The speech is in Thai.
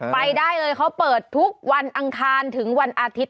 ไปได้เลยเขาเปิดทุกวันอังคารถึงวันอาทิตย